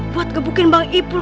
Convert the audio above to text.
buat ngebukin bang ipul